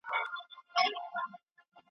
یوه ورځ به د ښکاري چړې ته لویږي .